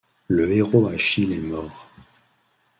Le héros Achille est mort.